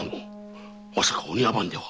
まさかお庭番では？